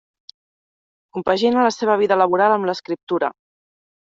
Compagina la seva vida laboral amb l'escriptura.